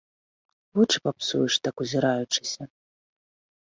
Вочы папсуеш, так узіраючыся!